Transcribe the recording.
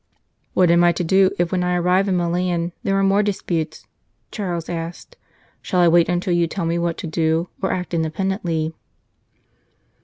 " What am I to do if, when I arrive in Milan, there are more disputes?" Charles asked. " Shall I wait until you tell me what to do, or act in dependently